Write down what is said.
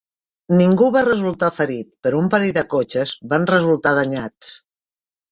Ningú va resultar ferit, però un parell de cotxes van resultar danyats.